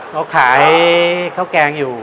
เขาขายข้าวแกงอยู่